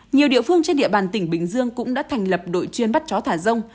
nhiều địa phương trên địa bàn tỉnh bình dương cũng đã thành lập đội chuyên bắt chó thả rông